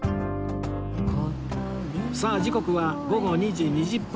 さあ時刻は午後２時２０分